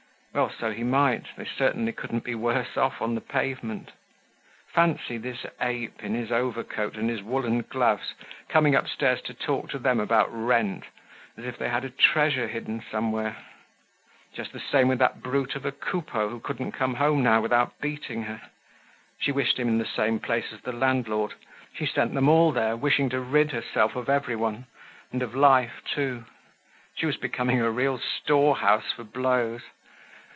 Well, so he might, they certainly couldn't be worse off on the pavement! Fancy this ape, in his overcoat and his woolen gloves, coming upstairs to talk to them about rent, as if they had had a treasure hidden somewhere! Just the same with that brute of a Coupeau, who couldn't come home now without beating her; she wished him in the same place as the landlord. She sent them all there, wishing to rid herself of everyone, and of life too. She was becoming a real storehouse for blows.